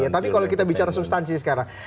tapi kalau kita bicara substansi sekarang